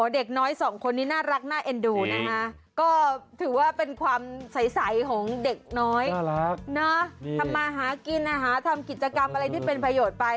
เด็กน้อยน่ารักน่าทำมาหากินอ่ะฮะทำกิจกรรมอะไรที่เป็นประโยชน์ไป